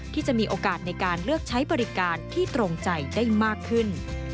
ที่จะมีโอกาสในการเลือกใช้บริการที่ตรงใจได้มากขึ้น